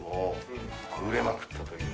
売れまくったという。